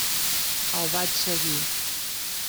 El vaig seguir.